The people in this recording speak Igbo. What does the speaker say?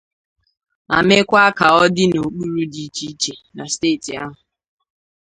ma mekwa ka ọ dị n'okpuru dị iche iche na steeti ahụ.